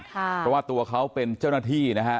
เพราะว่าตัวเขาเป็นเจ้าหน้าที่นะฮะ